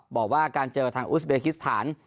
บอกว่าการเจอกับทางอุสเบคิสสาธารณี่